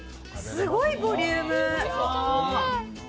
すごいボリューム。